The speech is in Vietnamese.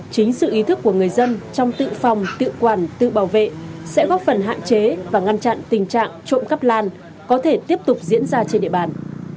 chính sự ý thức của người dân trong tự phòng tự quản tự bảo vệ sẽ góp phần hạn chế và ngăn chặn tình trạng trộm khắp lan có thể tiếp tục diễn ra trên địa bàn